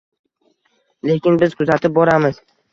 Lekin biz kuzatib boramiz.